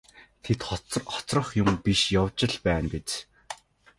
Тэд хоцрох юм биш явж л байна биз.